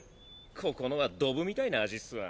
ここのはドブみたいな味っスわ。